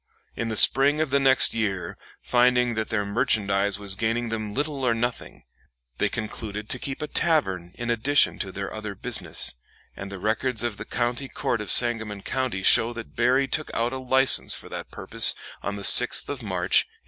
In the spring of the next year, finding that their merchandise was gaining them little or nothing, they concluded to keep a tavern in addition to their other business, and the records of the County Court of Sangamon County show that Berry took out a license for that purpose on the 6th of March, 1833.